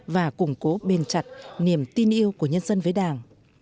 và củng cố bền chặt niềm tin yêu của nhân dân với đảng